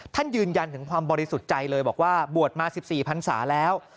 ท่านยืนยันถึงความบริสุทธิ์ใจเลยบอกว่าบวชมา๑๔พันศาแล้ว